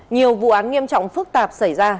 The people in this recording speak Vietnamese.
nhiều vụ án nghiêm trọng phức tạp xảy ra